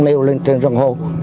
rồi lên trên răng hô